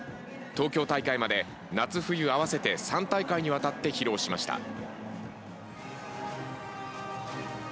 東京大会まで夏冬合わせて３大会にわたって披露しました。